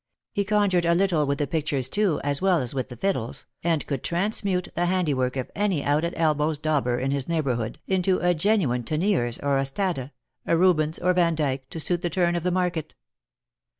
He conjured a little with the pic tures, too, as well as with the fiddles, and could transmute the handiwork of any out at elbows dauber in his neighbourhood into a genuine Teniers or Ostade, a Eubens or Vandyke, to suit the turn of the market.